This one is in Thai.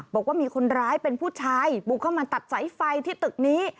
บอกว่ามีคนร้ายเป็นผู้ชายบุกเข้ามาตัดสายไฟที่ตึกนี้